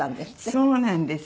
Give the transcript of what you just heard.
そうなんです。